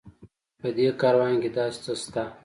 په دې کاروان کې داسې څه شته.